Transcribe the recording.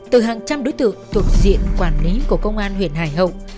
từ hàng trăm đối tượng thuộc diện quản lý của công an huyện hải hậu